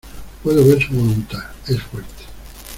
Puedo ver su voluntad es fuerte.